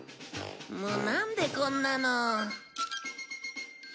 なんでこんなの。